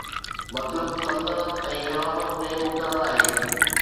مطلب سلطنت ۽ خلافت ۾ مقرر آهي